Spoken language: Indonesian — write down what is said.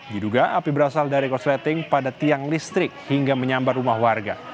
diduga api berasal dari korsleting pada tiang listrik hingga menyambar rumah warga